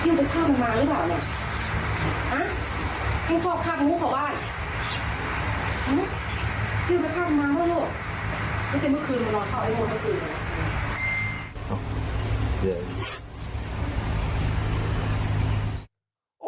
พี่มาทำมาให้ลูกไม่ใช่เมื่อคืนมานอนข้าวไอโมนให้กิน